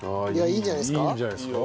いいんじゃないですか。